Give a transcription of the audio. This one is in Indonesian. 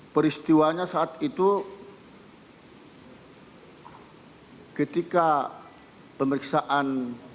peristiwanya saat itu ketika pemeriksaan